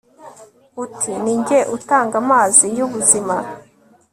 uti ni njye utanga amazi y'ubuzima